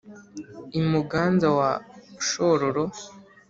i muganza wa shororo